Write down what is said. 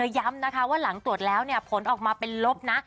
ย้ำนะคะว่าหลังตรวจแล้วเนี่ยผลออกมาเป็นลบนะ